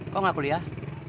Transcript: kok gak kuliah